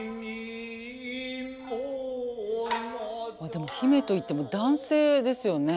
でも姫といっても男性ですよね。